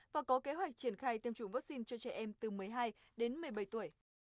và có kế hoạch triển khai tiêm chủng vaccine cho trẻ em từ một mươi hai đến một mươi bảy tuổi